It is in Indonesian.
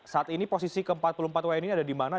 saat ini posisi ke empat puluh empat wni ada di mana